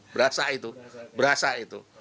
berasa itu berasa itu